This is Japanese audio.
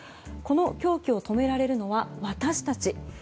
この狂気を止められるのは私たち。